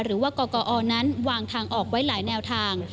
หรือว่ากกอนั้นวางทางออกไว้หลายแนวทาง